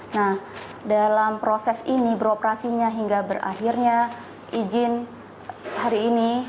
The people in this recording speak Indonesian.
nah dalam proses ini beroperasinya hingga berakhirnya izin hari ini